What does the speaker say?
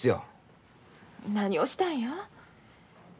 何をしたんや？